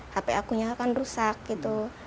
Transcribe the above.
hp akunya kan rusak gitu